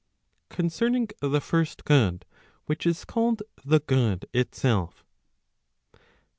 Concerning the first good , which is called the good itself.